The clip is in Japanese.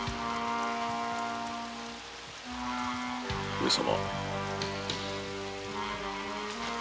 上様。